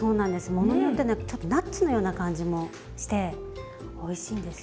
ものによってねちょっとナッツのような感じもしておいしいんですよね。